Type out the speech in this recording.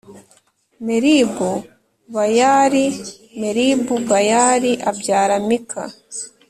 Meribu Bayali Meribu Bayali abyara Mika